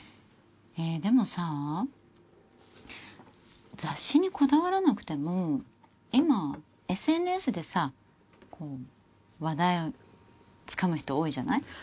えでもさぁ雑誌にこだわらなくても今ＳＮＳでさこう話題つかむ人多いじゃない？